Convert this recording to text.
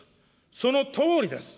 そのとおりです。